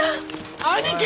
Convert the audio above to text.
兄貴！